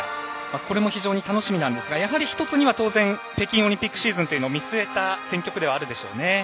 これも非常に楽しみなんですが１つには北京オリンピックシーズンというのを見据えた選曲ではあるでしょうね。